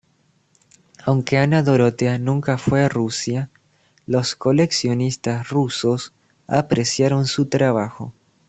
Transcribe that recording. Aunque Anna Dorothea nunca fue a Rusia, los coleccionistas rusos apreciaron su trabajo.